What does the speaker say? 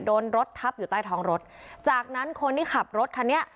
โดนรถทับอยู่ใต้ท้องรถจากนั้นคนที่ขับรถคันนี้